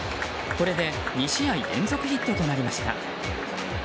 これで２試合連続ヒットとなりました。